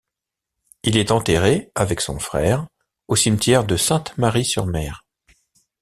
Il est enterré, avec son frère, au cimetière de Sainte-Marie-sur-Mer.